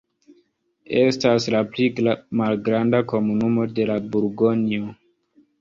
Estas la pli malgranda komunumo de la Burgonjo.